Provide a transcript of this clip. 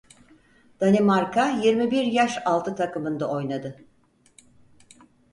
Danimarka yirmi bir yaş altı takımında oynadı.